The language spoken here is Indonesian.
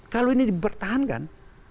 kalau ini dipertahankan